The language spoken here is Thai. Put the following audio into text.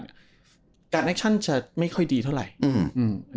อ่ะการแคชชั่นจะไม่ค่อยดีเท่าไรอืม